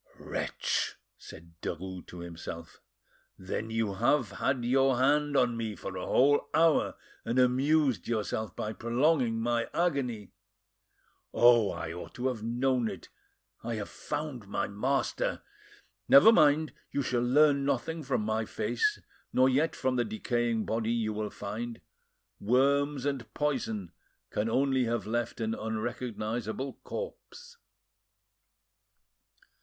"Wretch!" said Derues to himself, "then you have had your hand on me for a whole hour, and amused yourself by prolonging my agony! Oh! I ought to have known it; I have found my master. Never mind, you shall learn nothing from my face, nor yet from the decaying body you will find; worms and poison can only have left an unrecognisable corpse."